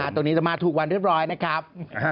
ตรงนี้จะมาถูกวันเรียบร้อยนะครับ